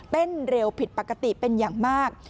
เร็วผิดปกติเป็นอย่างมาก